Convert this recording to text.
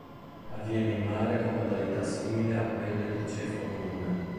Avviene in mare con modalità simili a quelle del cefalo comune.